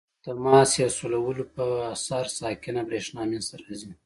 د تماس یا سولولو په اثر ساکنه برېښنا منځ ته راځي.